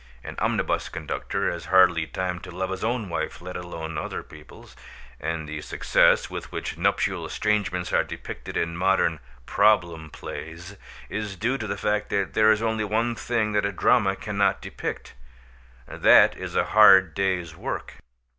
An omnibus conductor has hardly time to love his own wife, let alone other people's. And the success with which nuptial estrangements are depicted in modern "problem plays" is due to the fact that there is only one thing that a drama cannot depict that is a hard day's work.